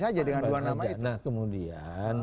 saja dengan dua nama nah kemudian